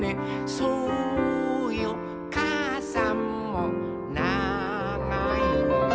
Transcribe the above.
「そうよかあさんもながいのよ」